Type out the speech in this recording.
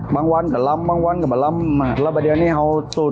มั้งวันก็ล้ำมั้งวันก็มาล้ำมาแล้วแบบเดียวนี้ที่ผมสูตร